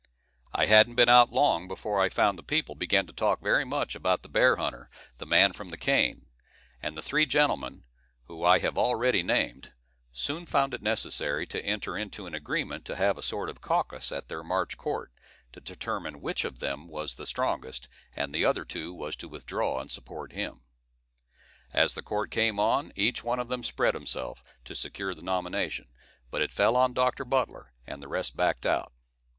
I hadn't been out long, before I found the people began to talk very much about the bear hunter, the man from the cane; and the three gentlemen, who I have already named, soon found it necessary to enter into an agreement to have a sort of caucus at their March court, to determine which of them was the strongest, and the other two was to withdraw and support him. As the court came on, each one of them spread himself, to secure the nomination; but it fell on Dr. Butler, and the rest backed out.